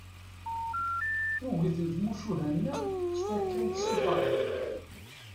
Tuget n tmucuha-nneɣ ttfakkant s lferḥ.